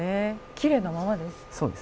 きれいなままです。